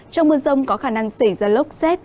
trong mưa rông có khả năng xảy ra lốc xét